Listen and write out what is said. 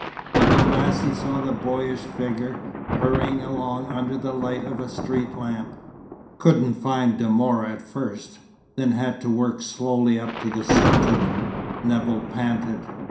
But at last he saw the boyish figure, hurrying along under the light of a street lamp. "Couldn't find De Mora at first then had to work slowly up to the subject," Nevill panted.